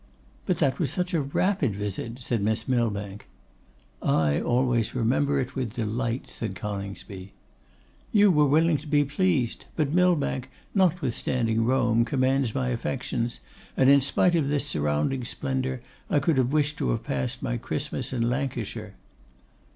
'But that was such a rapid visit,' said Miss Millbank. 'I always remember it with delight,' said Coningsby. 'You were willing to be pleased; but Millbank, notwithstanding Rome, commands my affections, and in spite of this surrounding splendour, I could have wished to have passed my Christmas in Lancashire.